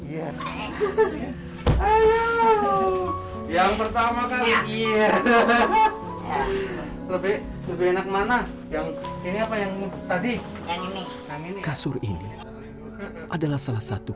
ya yang pertama kali lebih lebih enak mana yang ini apa yang tadi ini kasur ini adalah salah satu